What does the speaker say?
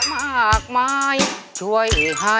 เพลงนี้อยู่ในอาราบัมชุดแจ็คเลยนะครับ